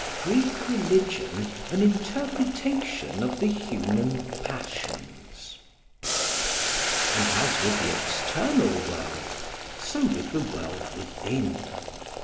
Greek Religion an Interpretation of the Human Passions. And as with the external world, so with the world within.